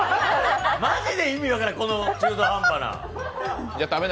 マジで意味分からん、この中途半端な。